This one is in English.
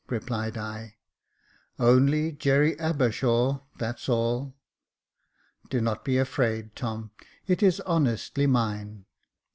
" replied I. " Only Jerry Abershaw, that's all." " Do not be afraid, Tom, it is honestly mine."